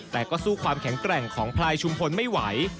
แต่ก็สู้ความแข็งแกร่งของพลายชุมพลไม่ไหว